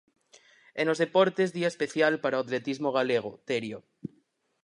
E nos deportes, día especial para o atletismo galego, Terio.